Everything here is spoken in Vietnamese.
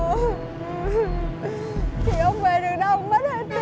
thì không về được đâu mất hết tiền rồi